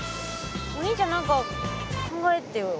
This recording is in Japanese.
お兄ちゃん何か考えてよ。